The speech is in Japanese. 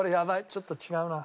ちょっと違うな。